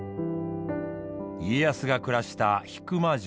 家康が暮らした引間城。